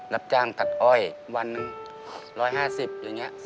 รับจ้างตัดอ้อยวัน๑๕๐อย่างนี้